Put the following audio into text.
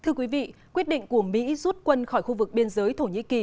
thưa quý vị quyết định của mỹ rút quân khỏi khu vực biên giới thổ nhĩ kỳ